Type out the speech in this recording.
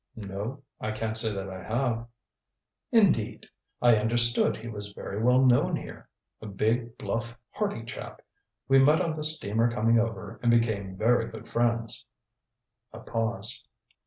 "No. I can't say that I have." "Indeed! I understood he was very well known here. A big, bluff, hearty chap. We met on the steamer coming over and became very good friends." A pause.